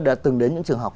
đã từng đến những trường học